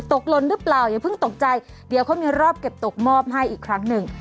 หล่นหรือเปล่าอย่าเพิ่งตกใจเดี๋ยวเขามีรอบเก็บตกมอบให้อีกครั้งหนึ่ง